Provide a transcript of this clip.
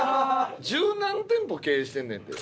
十何店舗経営してんねんで。